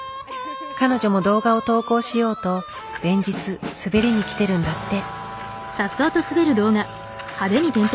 彼女も動画を投稿しようと連日滑りにきてるんだって。